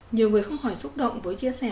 nhiều người không hỏi xúc động với chia sẻ